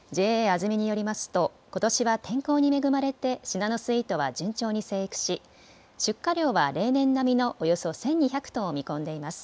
ＪＡあづみによりますとことしは天候に恵まれてシナノスイートは順調に生育し出荷量は例年並みのおよそ１２００トンを見込んでいます。